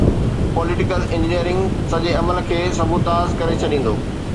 Political engineering' سڄي عمل کي سبوتاز ڪري ڇڏيندو.